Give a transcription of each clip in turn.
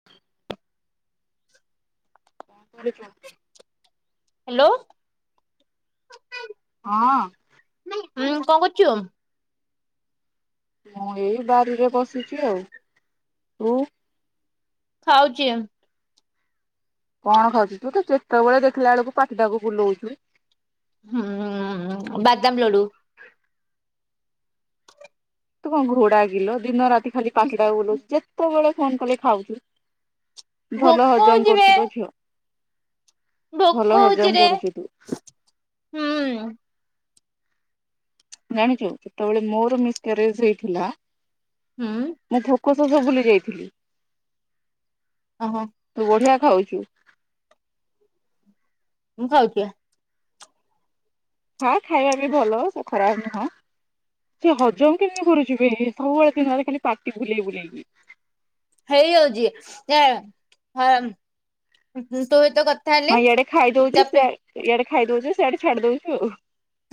[inaudible] [unintelligible] Hello. ହଁ। ହୁଁ କଁ କରଚୁ? ମୁଁ ଏଇ ବାରିରେ ବସିଛି ଆଉ, ତୁ? ଖାଉଚି। କଣ ଖାଉଛୁ ତୁ ତ ଯେତେବେଳେ ଦେଖିଲା ବେଳକୁ ପାଟିଟାକୁ ବୁଲଉଛୁ। ହୁଁ ବାଦାମ ଲଡୁ। ତୁ କଣ ଘୋଡା କିଲୋ ଦିନ ରାତି ଖାଲି ପାଟିଟାକୁ ବୁଲ ଉଚୁ ଯେ ତ ବେଳେ ଫୋନ କଲେ ଖାଉଛୁ ଭୋକ ଭଲ ହଜମ ହଉଛି ବେ କରୁଚୁ ଲୋ ଝିଅ। ଭଲ ଭୋକ ହୋଉଛି ହଜମ ରେ କରୁଛୁ ତୁ ହୁଁ। ଜାଣିଛୁ ଯେତେବେଳେ ମୋର ମିସ୍ କ୍ୟାରେଜ୍ ହେଇଥିଲା ହୁଁ ମୁ କଶ ସ ଭୁଲି ଯାଇଥିଲି। ଅ ହଁ। ତୁ ବଢିଆ ଖାଉଚୁ। ମୁଁ ଖାଉଛିିଆ ହଁ ଖାଇବା ବି ଭଲ ସେ ଖରାପ ନୁହଁ। ସେ ହଜମ କେମିତି କରୁଛିବେ ସବୁବେଳେ [unintelligible] ଖାଲି ପାଟି ବୁଲେଇ ବୁଲେଇ। ହେଇଯାଉଛି ଏ ହଁ ତୁ ଏ ତ କ ହଁ ଇଆଡେ ଖାଇ ଦଉଛୁ ଇଆଡେ ଖାଇଦଉଛିୁ ସେଆଡେ ଛାଡି ଦଉୁ ଆଉ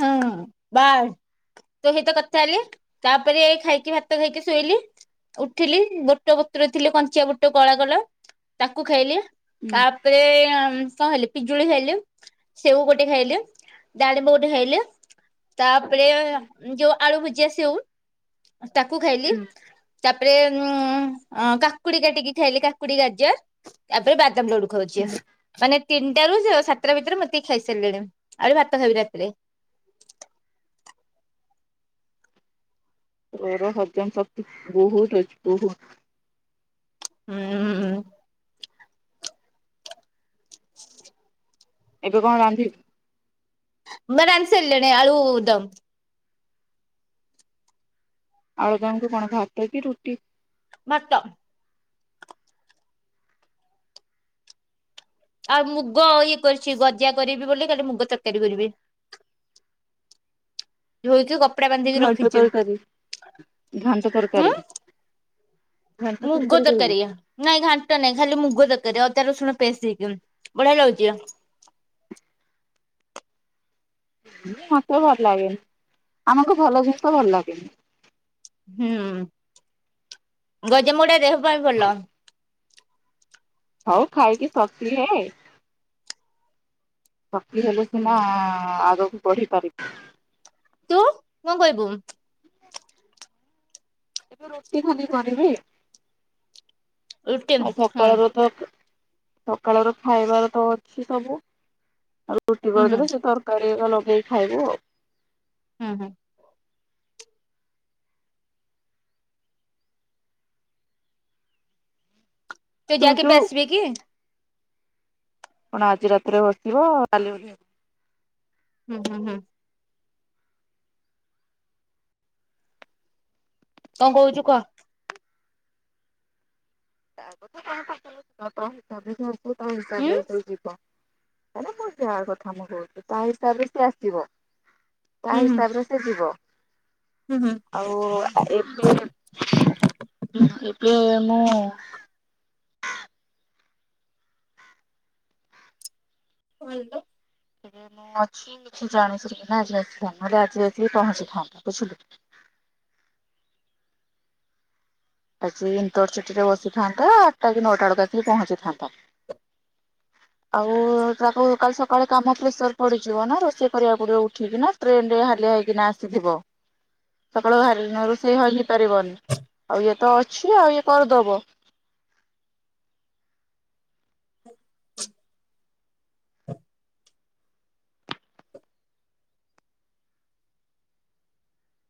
ହଁ ବାଏ। ତୋ ସହିତ କଥା ହେଲି ତାପରେ ଖାଇକି ଭାତ ଖାଇକି ଶୋଇଲି ଉଠିଲି ବୋଟ ବିତ୍ରିରୀ ଥିଲି କଞ୍ଚା ବୁଟ କଳା କଲର ତାକୁ ଖାଇଲି ଆଉ। ତାପରେ କଣ ଖାଇଲି ପିଜୁଳି ଖାଇଲି ସେଉ ଗୋଟେ ଖାଇଲି ଡାଳିମ୍ବ ଗଟେ ଖାଇଲି ତାପରେ ଯୋଉ ଆଳୁ ଭୁଜିଆ ସଉ ତାକୁ ଖାଇଲି। ହୁଁ ତାପରେ ଉଁ କାକୁଡି କାଟିକି ଖାଇଲି କାକୁଡି ଗାଜର ତାପରେ ବାଦାମ ଲଡୁ ଖାଉଛି ହୁଁ ମାନେ ତିନିଟା ର ସାତଟା ଭିତରେ ମତେ ଖାଇସାରିଲେଣି ଆହୁରି ଭାତ ଖାଇବି ରାତିରେ। [unintelligible] ତୋର ହଜମ ଶକ୍ତି ବହୁତ ଅଛି ବହୁତୁ ହୁଁ ହଁ। ଏବେ କଣ ରାନ୍ଧିବୁ ମା ରାଧିସାରିଲେଣି ଆଳୁ ଦମ୍। ଆଳୁ ଦମ କୁ କଣ ଭାତ କି ରୁଟି ଭାତ ଆଉ ମୁଗ ଇଏ କରିଛି ଗଜା କରିବି ବୋଲି କାଲି ମୁଗ ତରକାରୀ କରିବି। [unintelligible] ଏଇ ହେଉଛି ଗପ। ଘାଣ୍ଟ ତରକାରୀ ଘାଣ୍ଟ ହୁଁ ତରକାରୀ। ଘାଣ୍ଟ ମୁଗ କରିବୁ ତରକାରୀ। ନାଇଁ ଘାଣ୍ଟ ନାଇଁ ଖାଲି ମୁଗ ତରକାରୀ ଆଉ ଅଦା ରସୁଣ ପେଷ୍ଟ ହେଇଚି ବଢିଆ ଲାଗୁଛି। ମତେ ଭଲ ଲାଗେନି ଆମକୁ ଭଲ ଜିନିଷ ଭଲ ଲାଗେନି। ହୁଁ ଗଜା ମୁଗ ଟା ଦେହ ପାଇଁ ଭଲ। ହଉ ଖାଇକି ଶକ୍ତି ହେ ଶକ୍ତି ହେଲେ ହୁଁ। ସିନା ଆଗକୁ ବଢି ପାରିବୁ। ତୁ କଣ ଖାଇବୁ। ଏବେ ରୁଟି ଖାଲିି କରିବି ରୁଟି ଆଉ ହୁଁ ସକାଳରୁ ତ ସକାଳ ର ଖାଇବାର ତ ଅଛି ସବୁ ଆଉ ରୁଟି ହୁଁ ହୁଁ କରିଦେଲେ ସେ ତାର କଣ ଏଇନା ଲଗେଇକି ଖାଇବୁ ଆଉ ହୁଁ ହୁଁ। ତୋ ତୁ ଯାଆ କେବେ ଯୋଉ ଆସିବେ କି। କଣ ଆଜି ରାତିରେ ବସିବ କାଲି ଓହଲିଇବ ହୁଁ ହୁଁ ହୁଁ। କଣ କହୁଛୁ କହ। କହା କଥା କହିବ ସମସ୍ତେ ଙ୍କର ଏକା ହୁଁ ପରି ହେଇଥିବ। ହେରା ମୋ ଯାଅ କଥା ମୁଁ ନ କହୁଲୁ ତା ହିସାବରେ ସେ ଆସିବ ତା ହୁଁ ହୁଁ ହିସାବରେ ସେ ଯିବ। ହୁଁ ହୁଁ। ଆଉ ଏବେ ଏବେ ମୁଁ ଏବେ ତେବେ ମୁଁ ଅଛି କିଛି ଜାଣି ଶୁଣିକି ନା ଆଜି ଆସିକି ପହଞ୍ଚିଥାନ୍ତା ବୁଝିଲୁ। ଆଜି ଇଣ୍ଟର ସିଟି ରେ ବସିଥାନ୍ତା ଆଠଟା କି ନଅଟା ବେଳକୁ ଆସିକି ପହଞ୍ଚିଥାନ୍ତା। [inaudible] ଆଉ ତାକୁ କାଲି ସକାଳେ କାମ ପ୍ରେସର ପଡିଯିବ ନା ରୋଷେଇ କରିବାକୁ ପଡିବ ଉଠିକି ନା ଟ୍ରେନ ରେ ହାଲିଆ ହେଇକିନା ଆସିଥିବ। ସକାଳୁ ହା ରୋଷେଇ ହେଇ ପାରିବନି ଆଉ ଇଏ ତ ଅଛି ଆଉ ଇଏ କରିଦବ। [unintelligible]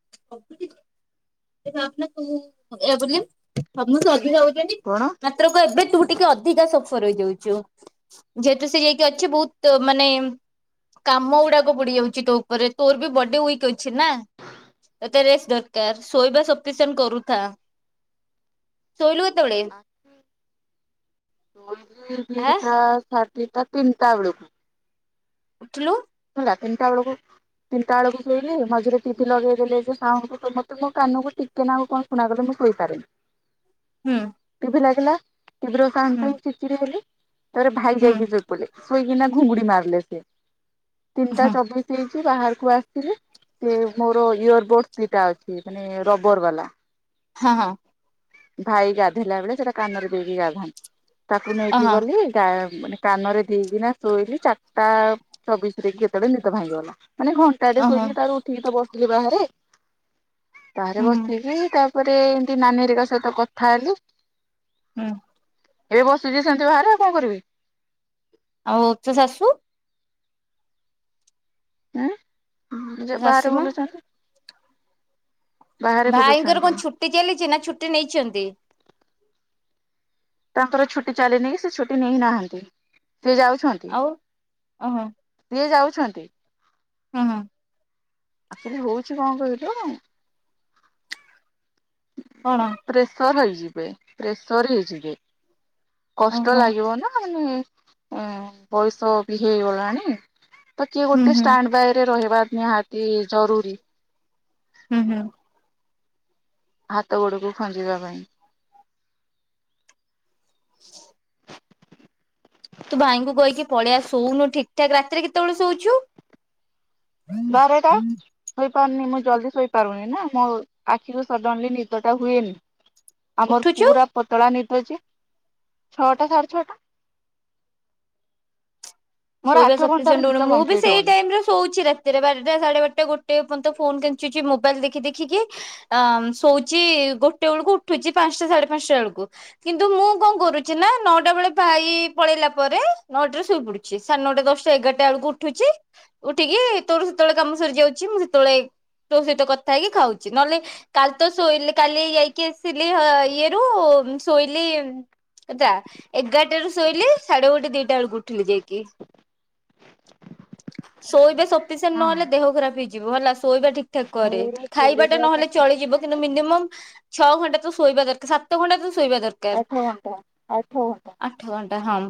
[unintelligible] କଣ? ମାତ୍ର କ ଏବେ ତୁ ଟିକେ ଅଧିକା ସଫର ହେଇଯାଉଛୁ। ଯେହେତୁ ସେ [unintelligible] ଅଛି ବହୁତ ମାନେ କାମ ଗୁଡାକ ପଡି ଯାଉଛି ତୋ ଉପରେ ତୋର ବି ବଡି ୱିକ ଅଛି ନା। ତତେ ରେଷ୍ଟ ଦରକାର ଶୋଇବା ଶପିସେଣ୍ଟ କରୁଥା। ଶୋଇଲୁ କେତେବେଳେ? [unintelligible] ଗୋଟେ ଆ ଦିଟା ସାଢେ ଦିଟା ତିନଟା ବେଳକୁ। ଉଠିଲୁ। ହେଲା ତିନିଟା ବେଳକୁ ତିନିଟା ବେଳକୁ ଶୋଇଲି ମଝିରେ ଟିଭି ଲଗେଇ ଦେଲେ ଯେ ସାଉଣ୍ଟ ମତେ ମୋ କାନକୁ ଟି ଟିକିଏ ନାଗୁ କଣ ଶୁଣାଗଲେ ମୁଁ ଶୋଇ ପାରେନି। ହୁଁ। ଟିଭି ଲାଗିଲା ଟିଭିର ସାଉଣ୍ଡ ହୁଁ ପାଇଁ ଚିଡି ଚିଡି ହେଲି ତାପରେ ଭାଇ ହୁଁ ଯାଇକି ସେପଟେ ଶୋଇକି ନା ଘୁଙ୍ଗୁଡି ମାରିଲେ ସେ, ତିନିଟା ହଁ ଚବିଶ ସେ ଯେ ବାହାରକୁ ଆସିିଲି ସେ ମୋର ଇୟର ବଡ଼ସ୍ ଦିଇଟା ଅଛି ମାନେ ରବର ବାଲା ହଁ ହଁ। ଭାଇ ଗାଧୋଇଲା ବେଳେ ସେଟା କାନରେ ଦେଇକି ଗାଧାନ୍ତି ତାକୁ ହଁ ନେଇକି ହଁ ଗଲି ଗା ମାନେ କାନରେ ଦେଇକିନା ଶୋଇଲି ଚାରିଟା ଚବିଶ ରେ କି କେତେବେଳେ ନିଦ ଭାଙ୍ଗିଗଲା। ମାନେ ଘ ଘଣ୍ଟାଟେ ଓହୋ ଶୋଇଛି ତାପରେ ଉଠିକି ତ ବସିଲି ବାହାରେ। ବାହେରେ ହୁଁ ବସିକି ତା ତା ପରେ ଏମତି ନାନୀରିକା ସହିତ କଥା ହେଲି ହୁଁ। ଏବେ ବସୁଛି ସେମିତି ବାହାରେ ଆଉ କଣ କରିବି। ଆଉ ଉଚ ଶାଶୁ? ଆଁ ସେ ତୋ ବାହାରେ ଶାଶୁ ମା ବୁଲୁଛନ୍ତି। ବାହାରେ ଭାଇଙ୍କର ବୁଲୁଛନ୍ତି କଣ ଛୁଟି ଚାଲିଛି ନା ଛୁଟି ନେଇଛନ୍ତି? ତାଙ୍କର ଛୁଟି ଚାଲିନି ସେ ଛୁଟି ନେଇ ନାହାନ୍ତି ସେ ଯାଉଛନ୍ତି। ଆଉ ଓହୋ ସିଏ ଯାଉଛନ୍ତି। ହଁ, ହଁ। ଆକ୍ଚ୍ୟଲି ହଉଛି କଣ କରୁଚ? କଣ? ପ୍ରେସର ହେଇଯିବେ ପ୍ରେସର ହେଇଯିବେ କଷ୍ଟ ଓହୋ ଲାଗିବ ନା ମାନେ ଏ ବୟସ ବି ହେଇଗଲାଣି ତ କିଏ ହୁଁ ଗୋଟେ ହୁଁ ଷ୍ଟାଣ୍ଡ ବାଇରେ ରହିବା ନିହା ଏ ଜରୁୁରୀ। ହୁଁ ହୁଁ। ହାତ ଗୋଡ଼କୁ ଖଞ୍ଜିବା ପାଇଁ। [unintelligible] ତୁ ଭାଇଙ୍କୁ କହିକି ପଳେଆ ଶୋଉନୁ ଠିକ ଠାକ ରାତିରେ କେତେବେଳେ ଶୋଉଛୁ? ବାରେଟା। ହୋଇପାରୁନି ମୁଁ ଜଲଦି ଶୋଇପାରୁନି ନା ମୋ ଆଖିରୁ ସଡନଲି ନିଦ ଟା ହୁଏନି। ଆମର ଉଠୁଛୁ ପୁରା ପତଳା ନିଦ ଯେ, ଛଅଟା ସାଢେ ଛଅଟା। [unintelligible] ମୋର ଆଠ ଶୋଇବା ଘଣ୍ଟାର ନିଦ ମୁଁ ବି କମ୍ପ୍ଲିଟ ସେଇ ହଉନି ଟାଇମରେ ଶୋଉଛି ରେ। ରେ ବାରଟା ସାଢେ ବାରଟା ଗୋଟେ ପର୍ଯ୍ୟନ୍ତ ଫୋନ କିଞ୍ଚୁଛି ମୋବାଇଲ ଦେଖି ଦେଖିକି ଅ ଶୋଉଛି ଗୋଟେ ବେଳକୁ ଉଠୁଛି ପାଞ୍ଚଟା ସାଢେ ପାଞ୍ଚଟା ବେଳକୁ। କିନ୍ତୁ ମୁଁ କଣ କରୁଛି ନା ନଅଟା ବେଳେ ଭାଇ ପଳେଇଲା ପରେ ନଅଟାରେ ଶୋଇ ପଡୁଛି। ସାଡେ ନଅଟା ଦଶ ଏଗାରଟା ବେଳକୁ ଉଠୁଛି। ଉଠିକି ତୋର ସେତେବେଳେ କାମ ସରି ଯାଉଛି ମୁଁ ସେତେବେଳେ ତୋ ସହିତ କଥା ହେଇକି ଖାଉଛି ନହେଲେ କାଲି ତ ଶୋଇ କାଲି ଯାଇକି ଆସିଲି ଇଏ ରୁ ଶୋଇଲି ଏତା ଏଗାରଟା ର ଶୋଇଲେ ସାଢେ ଗୋଟେ ଦିଟା ବେଳକୁ ଉଠିଲି ଯାଇକି। ଶୋଇବେ ସଫିସିଣ୍ଟ ନହେଲେ ହଁ ଦେହ ଖରାପ ହେଇଯ ହେଲା ଶୋଇବା ଠିକ ଠାକ କରେ ମୋର ଖାଇବା ଟା ଶୋଇବା ନହେଲେ ସଫିସିଏଣ୍ଟ ଚଳିଯିବ କିନ୍ତୁ ନାହିଁ ମିନିମମ୍ ଛଅ ଘଣ୍ଟା ତ ଶୋଇବା ଦରକାର ସାତ ଘଣ୍ଟା ତ ଶୋଇବା ଦରକାର। ଆଠ ଘଣ୍ଟା ଆଠ ଘଣ୍ଟା। ଆଠ ଘଣ୍ଟା ହମ୍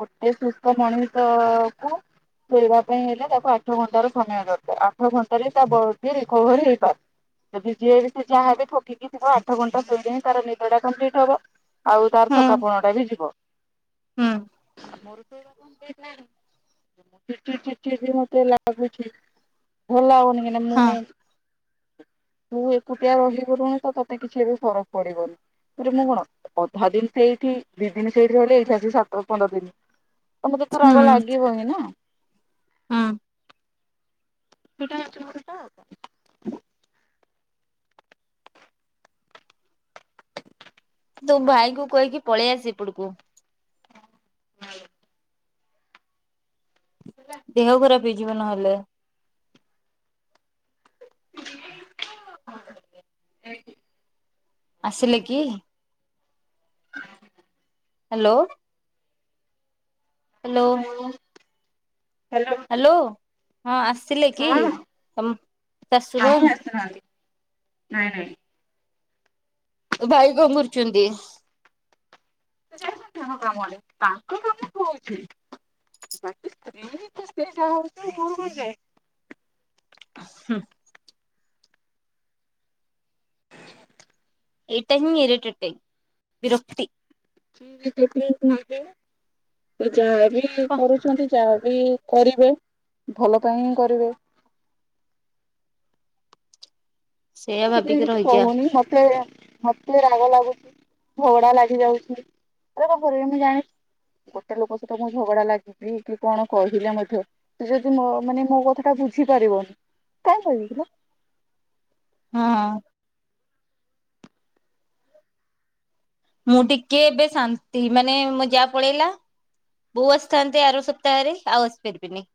ଗୋଟେ ସୁସ୍ଥ ମଣିଷ କୁ ଚଳିବା ପାଇଁ ହେଲେ ତାକୁ ଆଠ ଘଣ୍ଟ ର ସମୟ ଦରକାର ଆଠ ଘଣ୍ଟା ରେ ତା ବଡି ରିକଭର ହେଇପାରେ। ଯଦି ଯିଏ ବି ସେ ଯାହାବ ଥକିକି ଥିବ ଆଠ ଘଣ୍ଟା ଦୁଇ ଦିନ ତାର ନିଦ ଟା କମ୍ପ୍ଲିଟ୍ ହବ। ଆଉ ତାର ହୁଁ ଥକାପଣ ଟା ବି ଯିବ। ହୁଁ। [unintelligible] [unintelligible] ମତେ ଲାଗୁଛି ଭଲ ଲାଗୁନି [unintelligible] ହଁ ମୁଁ ତୁ ଏକୁଟିଆ ରହିପାରୁୁନି ତ ତତେ କିଛି ଏବେ ଫରକ ପଡିବନି। ମୁଁ କଣ ଅଧା ଦିନ ସେଇଠି ଦି ଦିନ ସେଇଠି ହେଲେ ଏଇଠି ଆସିକି ପନ୍ଦର ଦିନ ତ ମତେ ଥର ହୁଁ ରାଗ ଲାଗିବ ହିଁ ନା। ହୁଁ। ସେଟା [unintelligible] ତୁ ଭାଇ କ କହିକି ପଳେଇ ଆସ ଏପଟକୁ ହଁ। [inaudible] ହ [inaudible] ଦେହ ଖରାପ ହେଇଯିବ ନହେଲେ। [inaudible] ଆସିଲେ କି ହ୍ୟାଲୋ ହ୍ୟାଲୋ ହ ହ୍ୟାଲୋ ହ୍ୟାଲୋ ହଁ ଆସିଲେ କି ତମ କାହିଁ ଶାଶୁବୋଉ ଆସିନାହାନ୍ତି ନାଇଁ ନାଇଁ [inaudible] ଭାଇ ଗମୁର୍ଚୁନ୍ତି ଯାଇ ତାଙ୍କ କାମରେ ତାଙ୍କ କାମ କହୁଛି ସ୍ତ୍ରୀ ସେଇଟା ହଉଛି କଣ କ ଯାଏ ହୁଁ ଏଇ ଟା ହଁ ଇରରିତଟିଂ ବିରକ୍ତି। ସେଥିାଇ ନ ଯାହାବ ହଁ କରୁଛନ୍ତି। ଯାହା ବି କରିବେ ଭଲ ପାଇଁ ହିଁ କରିବେ। ସେଇଆ ଯେ ଭାବିକି ରହିଯା କହନି ହତେ [unintelligible] ଭତରେ ରାଗ ଲାଗୁଛି ଝଗଡା ଲାଗି ଯାଉଛି କପିବ ମୁଁ ଜାଣିଛି ଗୋଟେ ଲୋକ ସହିତ ମୁଁ ଝଗଡା ଲାଗିବି କି କଣ କହିଲେ ମଧ୍ୟ ତୁ ଯଦି ମୋ ମାନେ ମୋ କଥା ଟା ବୁଝିପାରିବନି କଣ କହିବିଥିଲ। ହଁ ମୁଁ ଟିକେ ଏବେ ଶାନ୍ତି ମାନେ ମ ଯାହା ପଳେଇଲା। ବୋଉ ଆସିଥାନ୍ତେ ଆର ସପ୍ତାହରେ ଆଉ ଆସିପାରିବିନି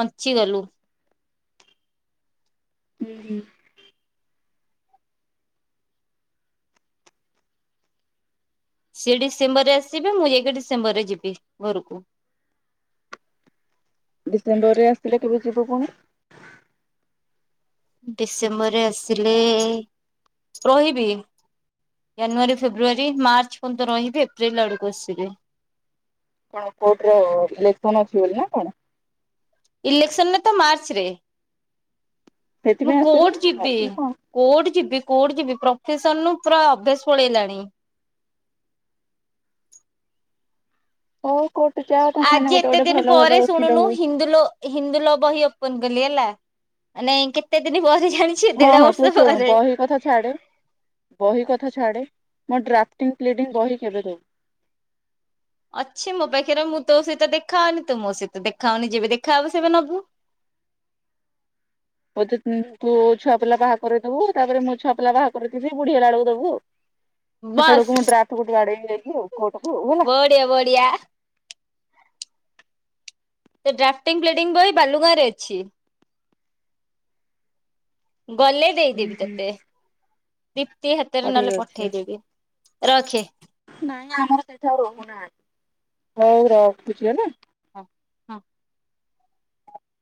ବଞ୍ଚିଗଲୁ। ହୁଁ ହୁଁ ସିଏ ଡିସେମ୍ବର ରେ ଆସିବେ ମୁଁ ଯାଇକି ଡିସେମ୍ବର ରେ ଯିବି ଘରକୁ। ଡିସେମ୍ବର ରେ ଆସିଲେ କେବେ ଯିବ ପୁଣି? ଡିସେମ୍ବରରେ ଆସିଲେ ରହିବି। ଜାନୁଆରୀ ଫେବୃୟାରୀ ମାର୍ଚ୍ଚ ପର୍ଯ୍ୟନ୍ତ ରହିବି ଏପ୍ରିଲ ଆଡକୁ ଆସିବି। କଣ କୋର୍ଟର ଇଲେକ୍ସନ ଅଛି ବୋଲି ନା କଣ? ଇଲେକ୍ସନରେ ତ ମାର୍ଚ୍ଚରେ ମୁଁ ସେଥିପାଇଁ ଆସିବେ କୋର୍ଟ ଯିବି। ନା କଣ? କୋର୍ଟ ଯିବି କୋର୍ଟ ଯିବି ପ୍ରଫେସନୁ ପୁରା ଅଭ୍ୟାସ ପଳେଇଲାଣି। ଓ କୋର୍ଟ ଯା। ଆଜି ଏତେ ଦିନ ପରେ ଶଣୁନୁ ହିନ୍ଦୁଲ ହିନ୍ଦୁଲୋ ବହି ଓପନ କଲି ହେଲା ମାନେ କେତେ ଦିନ ପରେ ଜାଣି ହଁ ହଁ ତୁ ଶୁଣୁ ବହି କଥା ଛାଡେ ବହି କଥା ଛାଡେ ମୋ ଡ୍ରାଫ୍ଟିଂ ପ୍ଲିଡିଂ ବହି କେବେ ଦବୁ। ଅଛି ମୋ ପାଖରେ ମୁଁ ତୋ ସହିତ ଦେଖାହଉନି ତୁ ମୋ ସହିତ ଦେଖା ହଉନି ଯେବେ ଦେଖା ହବ ସେବେ ନବୁ। ବୋଧେ ତ ଛୁଆ ପିଲା ବାହା କରିଦବୁ ତାପରେ ମ ଛୁଆ ପିଲା ବାହା କରିଦିବି ବୁଢୀ ହେଲା ବେଳକୁ ଦବୁ। ବାସ୍ ସେତେବଳକୁ ମୁ ଡ୍ରାଫ୍ଟ ଗୋଟେ ବାଦେଇକି ନେବି କୋର୍ଟକୁୁ ହେଲା। ବଢିଆ ବଢିଆ। ସେ ଡ୍ରାଫ୍ଟଟିଂ ପ୍ଲିଡିଙ୍ଗ ବହି ବାଲୁଗାଁରେ ଅଛି। ଗଲେ ହୁଁ ଦେଇଦେବି ହୁଁ। ତତେ ଦୀପ୍ତି ହଉ ହାତରେ ଠିକ ନହେଲେ ଅଛି ପଠେଇଦେବି। ରଖେ। ନାଇଁ ଆମର ସେଠି ଆଉ ରହୁନାହାନ୍ତି ହଉ ରଖୁଛି ହେଲା। ହଁ ହଁ